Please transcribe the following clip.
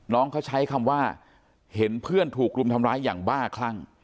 น้องเขาใช้คำว่าเห็นเพื่อนถูกรุมทำร้ายอย่างบ้าคลั่ง